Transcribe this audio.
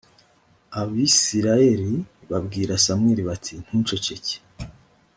abisirayeli babwira samweli bati “ntuceceke”